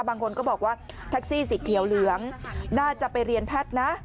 บางคนก็บอกว่าแท็กซี่สีเขียวเหลืองน่าจะไปเรียนแพทย์นะ